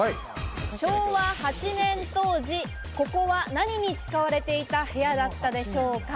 昭和８年当時、ここは何に使われていた部屋だったでしょうか？